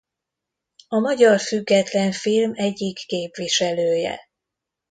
A magyar független film egyik képviselője.